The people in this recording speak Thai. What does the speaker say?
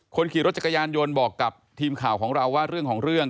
คนขี่รถจักรยานยนต์บอกกับทีมข่าวของเราว่าเรื่องของเรื่อง